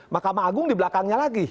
mahkamah agung di belakangnya lagi